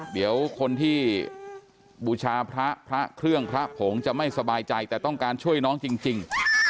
เดี๋ยวคนที่บูชาพระพระเครื่องพระผงจะไม่สบายใจแต่ต้องการช่วยน้องจริง